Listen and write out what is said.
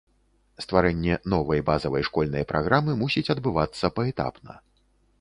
Стварэнне новай базавай школьнай праграмы мусіць адбывацца паэтапна.